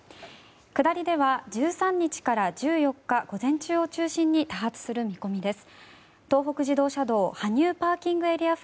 下りでは１３日から１４日午前中を中心に多発する見込みです。